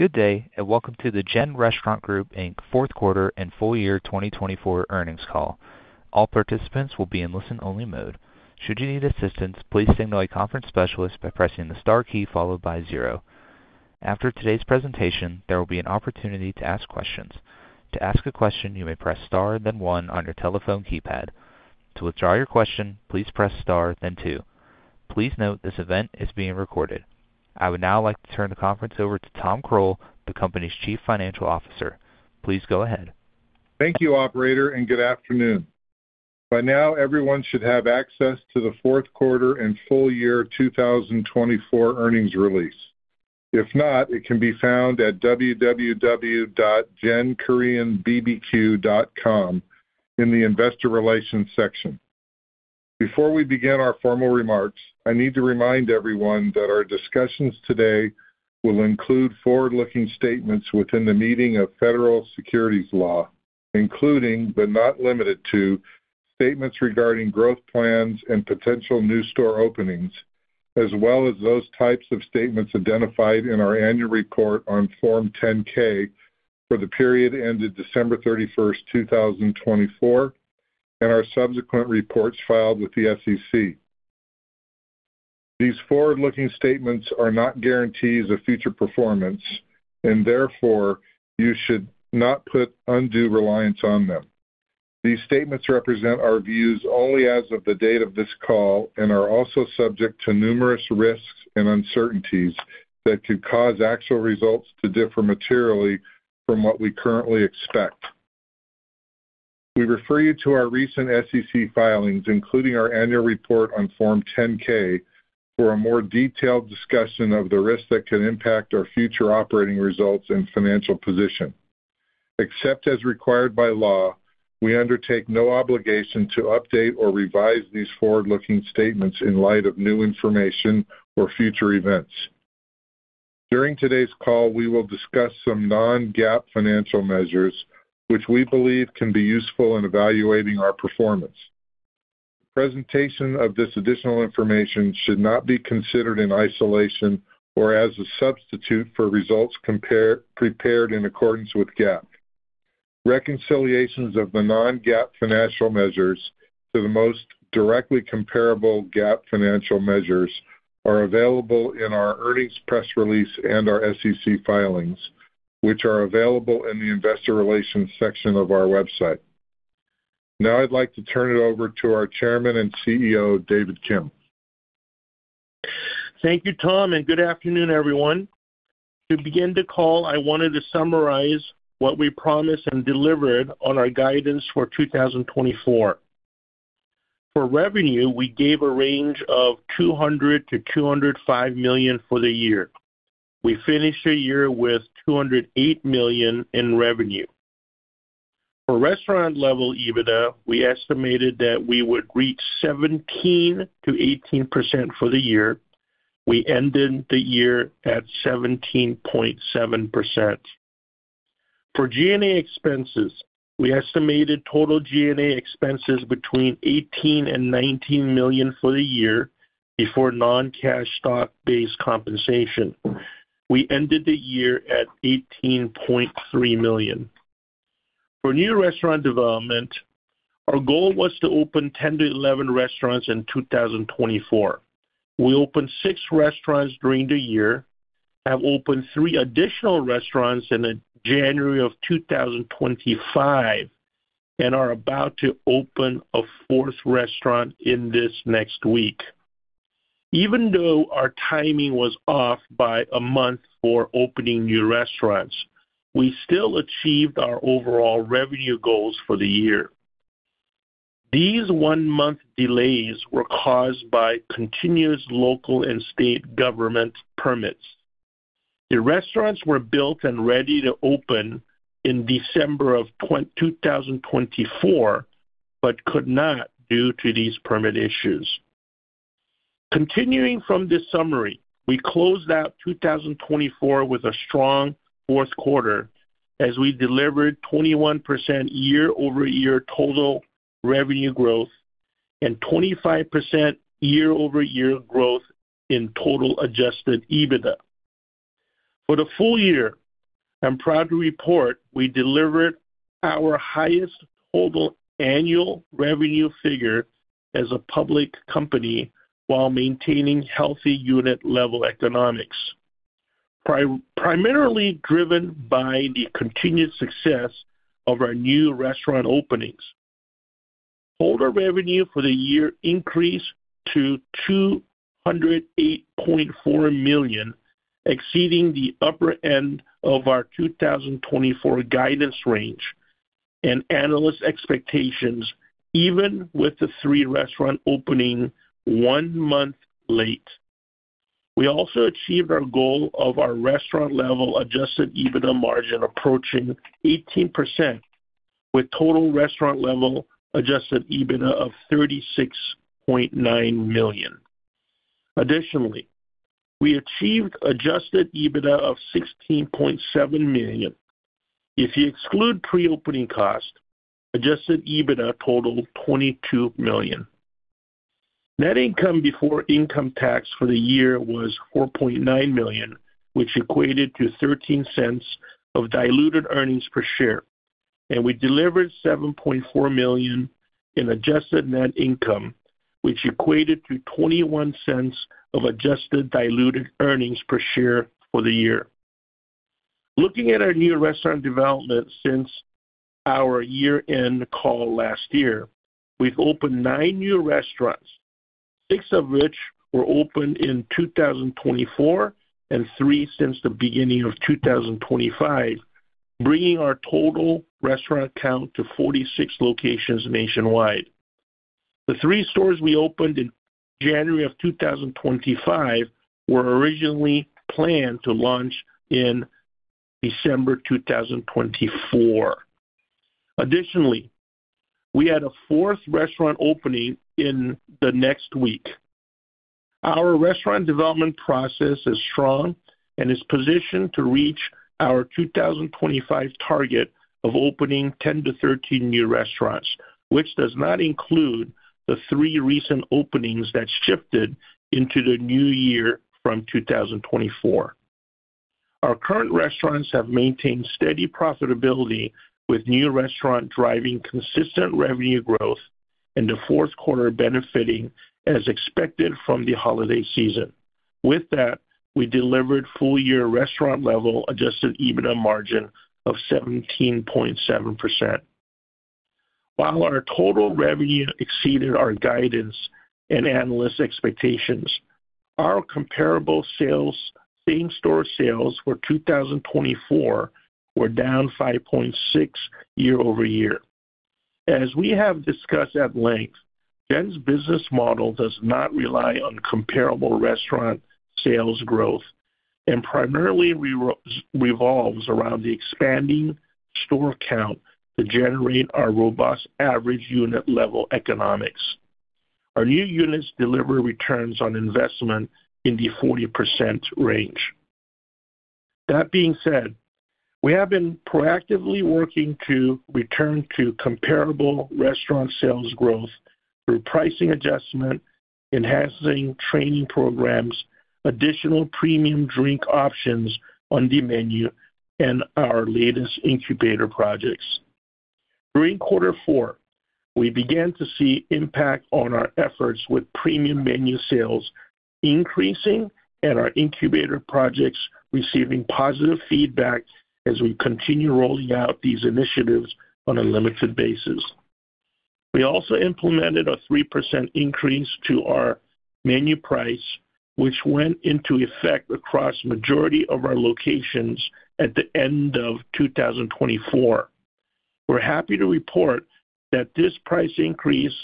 Good day, and welcome to the GEN Restaurant Group Fourth Quarter and Full Year 2024 Earnings Call. All participants will be in listen-only mode. Should you need assistance, please signal a conference specialist by pressing the star key followed by zero. After today's presentation, there will be an opportunity to ask questions. To ask a question, you may press star then one on your telephone keypad. To withdraw your question, please press star then two. Please note this event is being recorded. I would now like to turn the conference over to Thom Croal, the company's Chief Financial Officer. Please go ahead. Thank you, Operator, and good afternoon. By now, everyone should have access to the Fourth Quarter and Full Year 2024 Earnings Release. If not, it can be found at www.genkoreanbbq.com in the Investor Relations section. Before we begin our formal remarks, I need to remind everyone that our discussions today will include forward-looking statements within the meaning of federal securities law, including, but not limited to, statements regarding growth plans and potential new store openings, as well as those types of statements identified in our annual report on Form 10-K for the period ended December 31st, 2024, and our subsequent reports filed with the SEC. These forward-looking statements are not guarantees of future performance, and therefore, you should not put undue reliance on them. These statements represent our views only as of the date of this call and are also subject to numerous risks and uncertainties that could cause actual results to differ materially from what we currently expect. We refer you to our recent SEC filings, including our annual report on Form 10-K, for a more detailed discussion of the risks that can impact our future operating results and financial position. Except as required by law, we undertake no obligation to update or revise these forward-looking statements in light of new information or future events. During today's call, we will discuss some non-GAAP financial measures, which we believe can be useful in evaluating our performance. Presentation of this additional information should not be considered in isolation or as a substitute for results prepared in accordance with GAAP. Reconciliations of the non-GAAP financial measures to the most directly comparable GAAP financial measures are available in our earnings press release and our SEC filings, which are available in the Investor Relations section of our website. Now, I'd like to turn it over to our Chairman and CEO, David Kim. Thank you, Thom, and good afternoon, everyone. To begin the call, I wanted to summarize what we promised and delivered on our guidance for 2024. For revenue, we gave a range of $200 million to $205 million for the year. We finished the year with $208 million in revenue. For restaurant-level EBITDA, we estimated that we would reach 17% to 18% for the year. We ended the year at 17.7%. For G&A expenses, we estimated total G&A expenses between $18 million to $19 million for the year before non-cash stock-based compensation. We ended the year at $18.3 million. For new restaurant development, our goal was to open 10 to 11 restaurants in 2024. We opened six restaurants during the year, have opened three additional restaurants in January of 2025, and are about to open a fourth restaurant in this next week. Even though our timing was off by a month for opening new restaurants, we still achieved our overall revenue goals for the year. These one-month delays were caused by continuous local and state government permits. The restaurants were built and ready to open in December of 2024 but could not due to these permit issues. Continuing from this summary, we closed out 2024 with a strong fourth quarter as we delivered 21% year-over-year total revenue growth and 25% year-over-year growth in total adjusted EBITDA. For the full year, I'm proud to report we delivered our highest total annual revenue figure as a public company while maintaining healthy unit-level economics, primarily driven by the continued success of our new restaurant openings. Total revenue for the year increased to $208.4 million, exceeding the upper end of our 2024 guidance range and analyst expectations, even with the three restaurants opening one month late. We also achieved our goal of our restaurant-level adjusted EBITDA margin approaching 18%, with total restaurant-level adjusted EBITDA of $36.9 million. Additionally, we achieved adjusted EBITDA of $16.7 million. If you exclude pre-opening cost, adjusted EBITDA totaled $22 million. Net income before income tax for the year was $4.9 million, which equated to $0.13 of diluted earnings per share, and we delivered $7.4 million in adjusted net income, which equated to $0.21 of adjusted diluted earnings per share for the year. Looking at our new restaurant development since our year-end call last year, we've opened nine new restaurants, six of which were opened in 2024 and three since the beginning of 2025, bringing our total restaurant count to 46 locations nationwide. The three stores we opened in January of 2025 were originally planned to launch in December 2024. Additionally, we had a fourth restaurant opening in the next week. Our restaurant development process is strong and is positioned to reach our 2025 target of opening 10 to 13 new restaurants, which does not include the three recent openings that shifted into the new year from 2024. Our current restaurants have maintained steady profitability, with new restaurants driving consistent revenue growth and the fourth quarter benefiting as expected from the holiday season. With that, we delivered full-year restaurant-level adjusted EBITDA margin of 17.7%. While our total revenue exceeded our guidance and analyst expectations, our comparable sales—same store sales for 2024—were down 5.6% year-over-year. As we have discussed at length, GEN's business model does not rely on comparable restaurant sales growth and primarily revolves around the expanding store count to generate our robust average unit-level economics. Our new units deliver returns on investment in the 40% range. That being said, we have been proactively working to return to comparable restaurant sales growth through pricing adjustment, enhancing training programs, additional premium drink options on the menu, and our latest incubator projects. During quarter four, we began to see impact on our efforts with premium menu sales increasing and our incubator projects receiving positive feedback as we continue rolling out these initiatives on a limited basis. We also implemented a 3% increase to our menu price, which went into effect across the majority of our locations at the end of 2024. We're happy to report that this price increase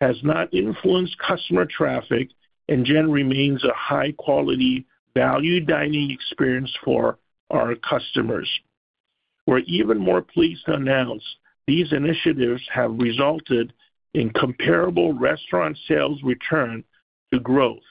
has not influenced customer traffic, and GEN remains a high-quality, value dining experience for our customers. We're even more pleased to announce these initiatives have resulted in comparable restaurant sales return to growth,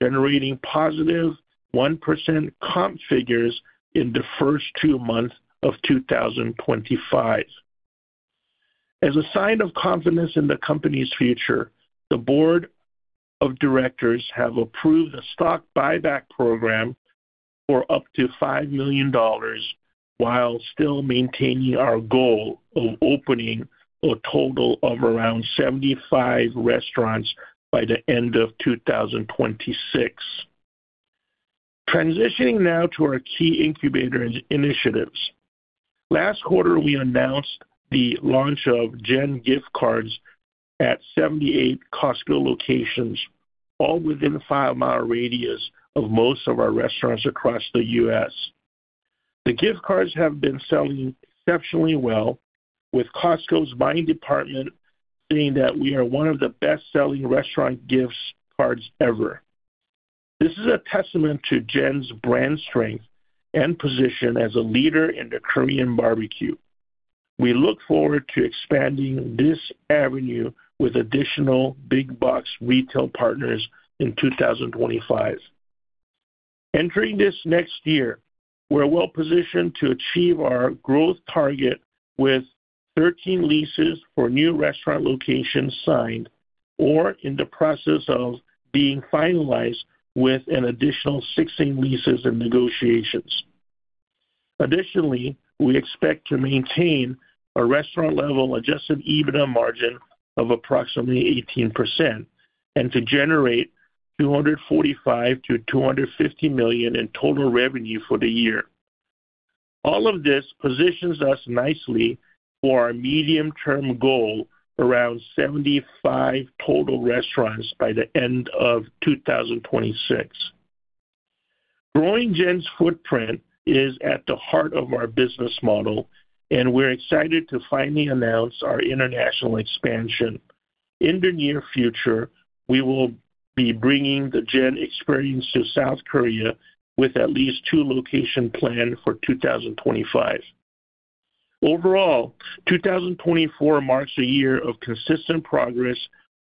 generating positive 1% comp figures in the first two months of 2025. As a sign of confidence in the company's future, the Board of Directors has approved a stock buyback program for up to $5 million while still maintaining our goal of opening a total of around 75 restaurants by the end of 2026. Transitioning now to our key incubator initiatives. Last quarter, we announced the launch of GEN gift cards at 78 Costco locations, all within a five-mile radius of most of our restaurants across the U.S. The gift cards have been selling exceptionally well, with Costco's buying department saying that we are one of the best-selling restaurant gift cards ever. This is a testament to GEN's brand strength and position as a leader in the Korean barbecue. We look forward to expanding this avenue with additional big-box retail partners in 2025. Entering this next year, we're well positioned to achieve our growth target with 13 leases for new restaurant locations signed or in the process of being finalized with an additional 16 leases in negotiations. Additionally, we expect to maintain a restaurant-level adjusted EBITDA margin of approximately 18% and to generate $245 million to $250 million in total revenue for the year. All of this positions us nicely for our medium-term goal around 75 total restaurants by the end of 2026. Growing GEN's footprint is at the heart of our business model, and we're excited to finally announce our international expansion. In the near future, we will be bringing the GEN experience to South Korea with at least two locations planned for 2025. Overall, 2024 marks a year of consistent progress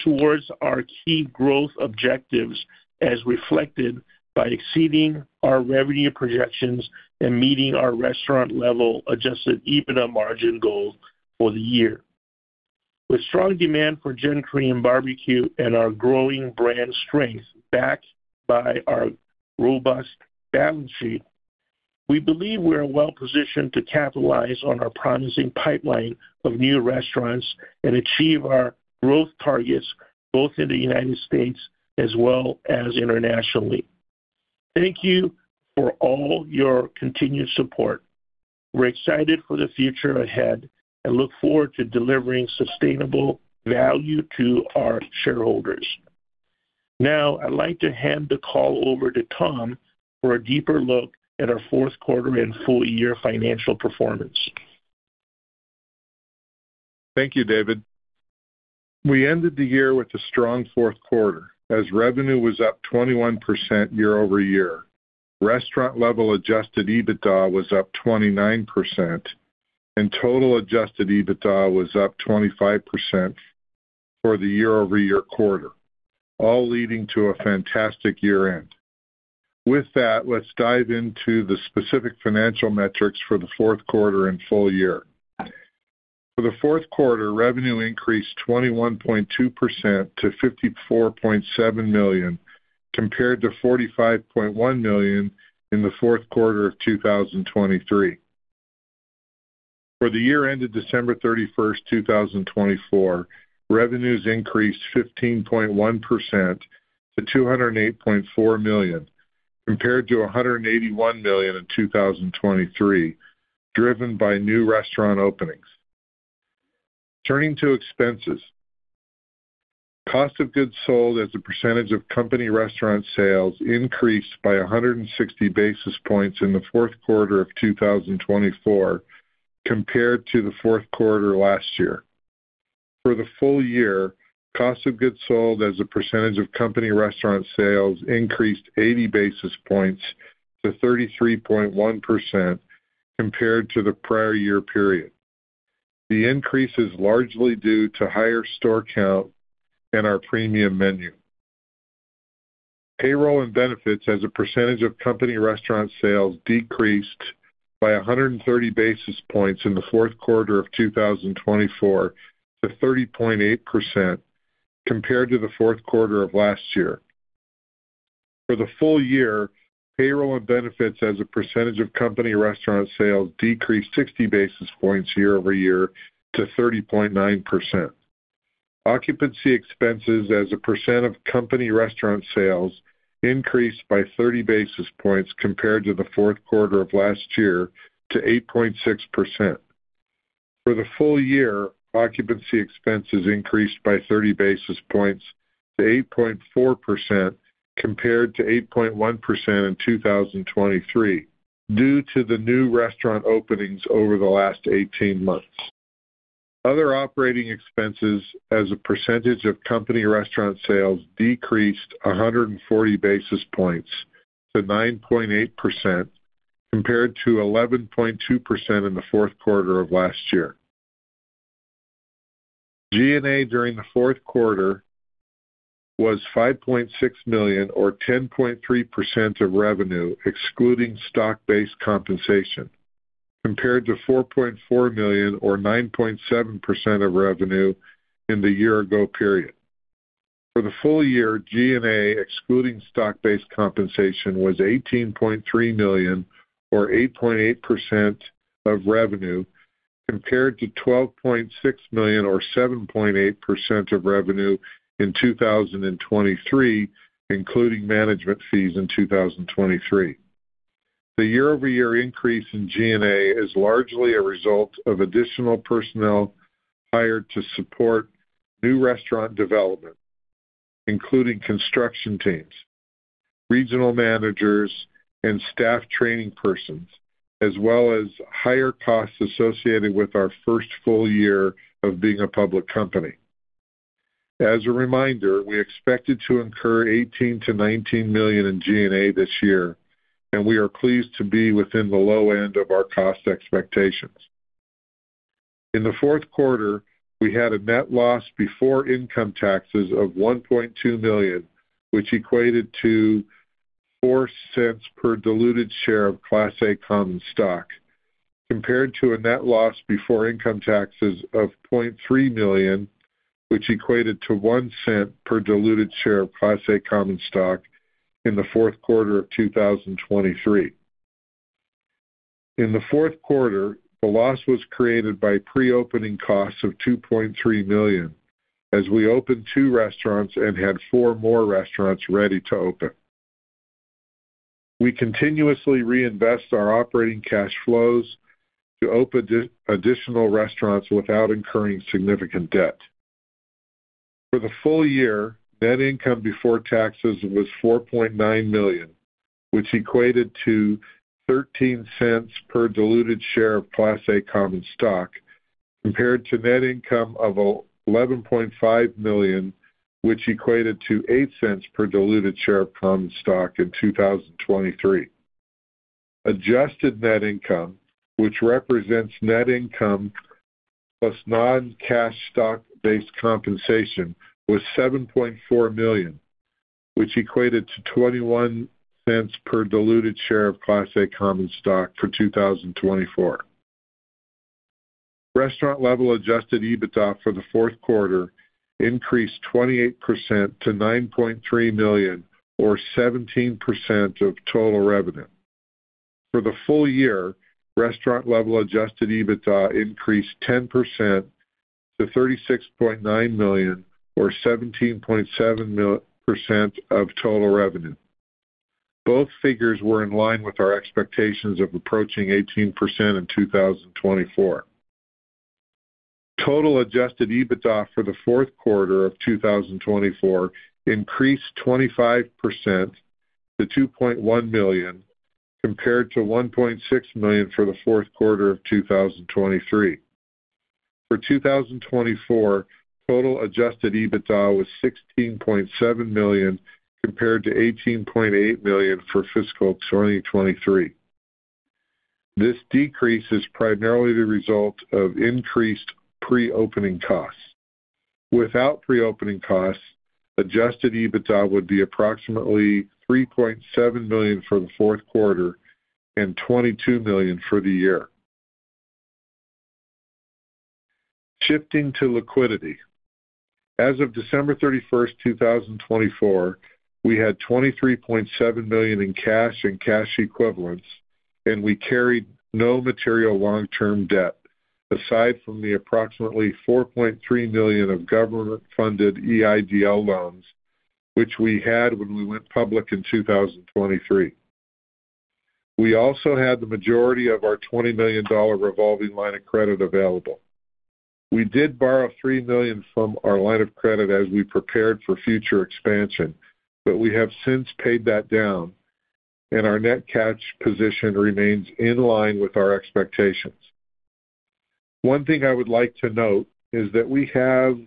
towards our key growth objectives as reflected by exceeding our revenue projections and meeting our restaurant-level adjusted EBITDA margin goal for the year. With strong demand for GEN Korean BBQ and our growing brand strength backed by our robust balance sheet, we believe we're well positioned to capitalize on our promising pipeline of new restaurants and achieve our growth targets both in the United States as well as internationally. Thank you for all your continued support. We're excited for the future ahead and look forward to delivering sustainable value to our shareholders. Now, I'd like to hand the call over to Thom for a deeper look at our fourth quarter and full-year financial performance. Thank you, David. We ended the year with a strong fourth quarter as revenue was up 21% year-over-year, restaurant-level adjusted EBITDA was up 29%, and total adjusted EBITDA was up 25% for the year-over-year quarter, all leading to a fantastic year-end. With that, let's dive into the specific financial metrics for the fourth quarter and full year. For the fourth quarter, revenue increased 21.2% to $54.7 million compared to $45.1 million in the fourth quarter of 2023. For the year-end of December 31st, 2024, revenues increased 15.1% to $208.4 million compared to $181 million in 2023, driven by new restaurant openings. Turning to expenses, cost of goods sold as a percentage of company restaurant sales increased by 160 basis points in the fourth quarter of 2024 compared to the fourth quarter last year. For the full year, cost of goods sold as a percentage of company restaurant sales increased 80 basis points to 33.1% compared to the prior year period. The increase is largely due to higher store count and our premium menu. Payroll and benefits as a percentage of company restaurant sales decreased by 130 basis points in the fourth quarter of 2024 to 30.8% compared to the fourth quarter of last year. For the full year, payroll and benefits as a percentage of company restaurant sales decreased 60 basis points year-over-year to 30.9%. Occupancy expenses as a percent of company restaurant sales increased by 30 basis points compared to the fourth quarter of last year to 8.6%. For the full year, occupancy expenses increased by 30 basis points to 8.4% compared to 8.1% in 2023 due to the new restaurant openings over the last 18 months. Other operating expenses as a percentage of company restaurant sales decreased 140 basis points to 9.8% compared to 11.2% in the fourth quarter of last year. G&A during the fourth quarter was $5.6 million or 10.3% of revenue excluding stock-based compensation compared to $4.4 million or 9.7% of revenue in the year-ago period. For the full year, G&A excluding stock-based compensation was $18.3 million or 8.8% of revenue compared to $12.6 million or 7.8% of revenue in 2023, including management fees in 2023. The year-over-year increase in G&A is largely a result of additional personnel hired to support new restaurant development, including construction teams, regional managers, and staff training persons, as well as higher costs associated with our first full year of being a public company. As a reminder, we expected to incur $18 million to $19 million in G&A this year, and we are pleased to be within the low end of our cost expectations. In the fourth quarter, we had a net loss before income taxes of $1.2 million, which equated to $0.04 per diluted share of Class A common stock, compared to a net loss before income taxes of $0.3 million, which equated to $0.01 per diluted share of Class A common stock in the fourth quarter of 2023. In the fourth quarter, the loss was created by pre-opening costs of $2.3 million as we opened two restaurants and had four more restaurants ready to open. We continuously reinvest our operating cash flows to open additional restaurants without incurring significant debt. For the full year, net income before taxes was $4.9 million, which equated to $0.13 per diluted share of Class A common stock, compared to net income of $11.5 million, which equated to $0.08 per diluted share of common stock in 2023. Adjusted net income, which represents net income plus non-cash stock-based compensation, was $7.4 million, which equated to $0.21 per diluted share of Class A common stock for 2024. Restaurant-level adjusted EBITDA for the fourth quarter increased 28% to $9.3 million or 17% of total revenue. For the full year, restaurant-level adjusted EBITDA increased 10% to $36.9 million or 17.7% of total revenue. Both figures were in line with our expectations of approaching 18% in 2024. Total adjusted EBITDA for the fourth quarter of 2024 increased 25% to $2.1 million compared to $1.6 million for the fourth quarter of 2023. For 2024, total adjusted EBITDA was $16.7 million compared to $18.8 million for fiscal 2023. This decrease is primarily the result of increased pre-opening costs. Without pre-opening costs, adjusted EBITDA would be approximately $3.7 million for the fourth quarter and $22 million for the year. Shifting to liquidity. As of December 31, 2024, we had $23.7 million in cash and cash equivalents, and we carried no material long-term debt aside from the approximately $4.3 million of government-funded EIDL loans, which we had when we went public in 2023. We also had the majority of our $20 million revolving line of credit available. We did borrow $3 million from our line of credit as we prepared for future expansion, but we have since paid that down, and our net cash position remains in line with our expectations. One thing I would like to note is that we have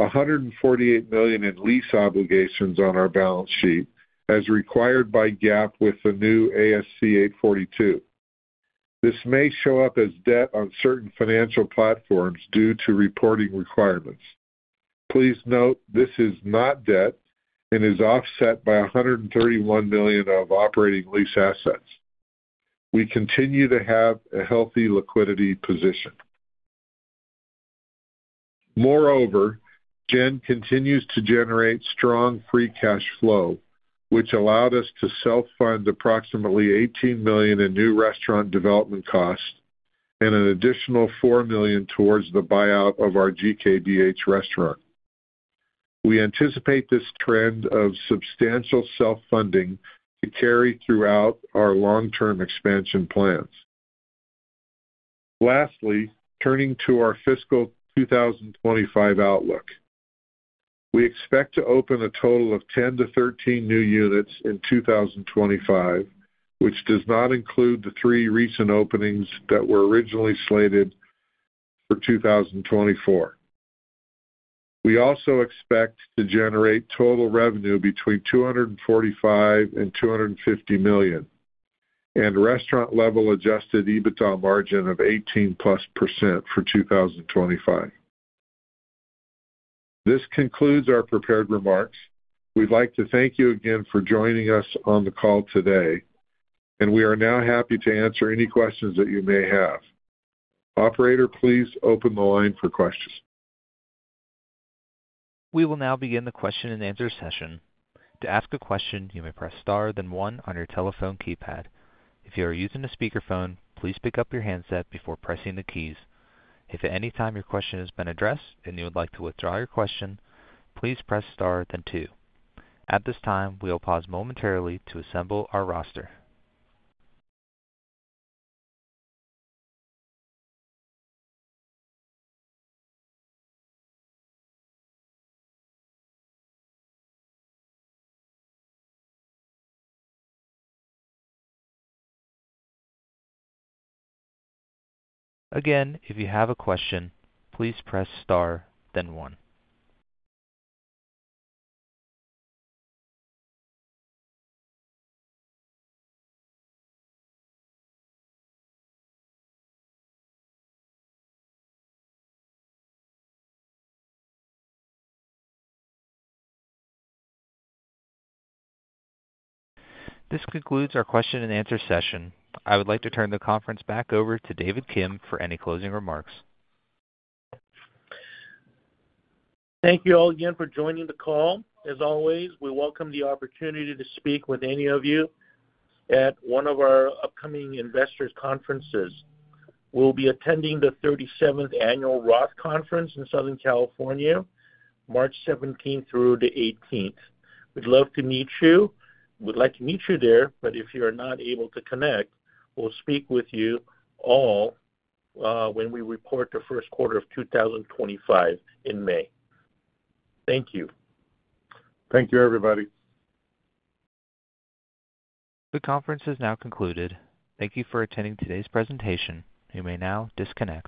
$148 million in lease obligations on our balance sheet as required by GAAP with the new ASC 842. This may show up as debt on certain financial platforms due to reporting requirements. Please note this is not debt and is offset by $131 million of operating lease assets. We continue to have a healthy liquidity position. Moreover, GEN continues to generate strong free cash flow, which allowed us to self-fund approximately $18 million in new restaurant development costs and an additional $4 million towards the buyout of our GKBH restaurant. We anticipate this trend of substantial self-funding to carry throughout our long-term expansion plans. Lastly, turning to our fiscal 2025 outlook, we expect to open a total of 10-13 new units in 2025, which does not include the three recent openings that were originally slated for 2024. We also expect to generate total revenue between $245 million and $250 million and restaurant-level adjusted EBITDA margin of 18+% for 2025. This concludes our prepared remarks. We'd like to thank you again for joining us on the call today, and we are now happy to answer any questions that you may have. Operator, please open the line for questions. We will now begin the question and answer session. To ask a question, you may press star then one on your telephone keypad. If you are using a speakerphone, please pick up your handset before pressing the keys. If at any time your question has been addressed and you would like to withdraw your question, please press star then two. At this time, we will pause momentarily to assemble our roster. Again, if you have a question, please press star then one. This concludes our question-and-answer session. I would like to turn the conference back over to David Kim for any closing remarks. Thank you all again for joining the call. As always, we welcome the opportunity to speak with any of you at one of our upcoming investors' conferences. We'll be attending the 37th Annual Roth Conference in Southern California, March 17th through the 18th. We'd love to meet you. We'd like to meet you there, but if you are not able to connect, we'll speak with you all when we report the first quarter of 2025 in May. Thank you. Thank you, everybody. The conference is now concluded. Thank you for attending today's presentation. You may now disconnect.